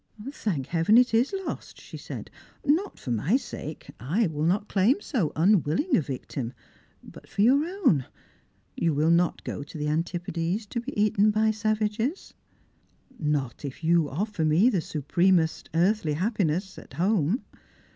" Thank Heaven it is lost!" she said; "not for my sake— I will not claim so unwilling a victim— but for your own. You will not go to the Antipodes to be eaten by savages ?"" Not if yoa offer me the supremest earthly happiness at home.